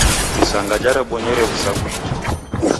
Isanga jerebonyere w'usaghui lii?